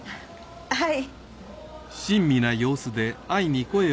はい。